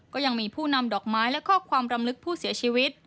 ก็ยังมีผู้นำดอกไม้และข้อความรำลึกผู้เสียชีวิต